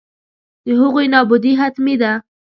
د هغوی نابودي حتمي ده.